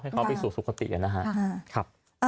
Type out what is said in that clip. ให้เขาไปสู่สุขติกันนะคะ